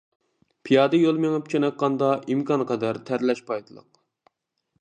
پىيادە يول مېڭىپ چېنىققاندا ئىمكان قەدەر تەرلەش پايدىلىق.